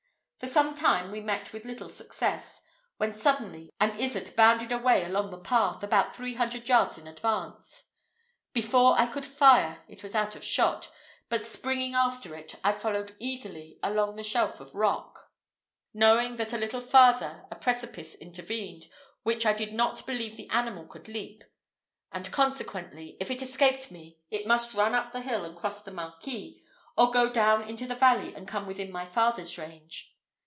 For some time we met with little success, when suddenly an izzard bounded away along the path, about three hundred yards in advance. Before I could fire, it was out of shot; but springing after it, I followed eagerly along the shelf of rock, knowing that a little farther a precipice intervened, which I did not believe the animal could leap; and consequently, if it escaped me, it must run up the hill and cross the Marquis, or go down into the valley and come within my father's range.